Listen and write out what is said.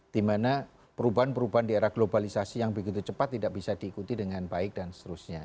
dimana perubahan perubahan di era globalisasi yang begitu cepat tidak bisa diikuti dengan baik dan seterusnya